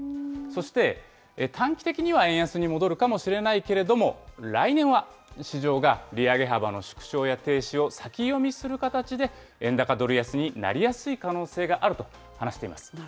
そして短期的には円安に戻るかもしれないけれども、来年は市場が利上げ幅の縮小や、停止を先読みする形で、円高ドル安になりやすい可能性があると話しています。